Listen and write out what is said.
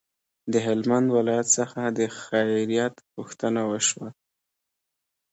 د هلمند ولایت څخه د خیریت پوښتنه شوه.